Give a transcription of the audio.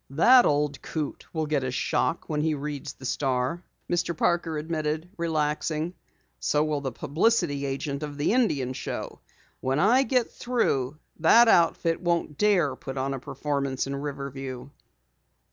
"That old coot will get a shock when he reads the Star," Mr. Parker admitted, relaxing. "So will the publicity agent of the Indian Show. When I get through, the outfit won't dare put on a performance in Riverview."